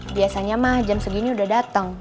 biasanya mah jam segini udah datang